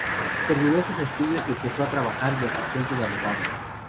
Terminó sus estudios y empezó a trabajar de asistente de abogado.